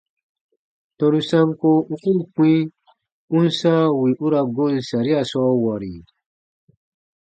Tɔnu sanko u koo kpĩ u n sãa wì u ra goon saria sɔɔ wɔri?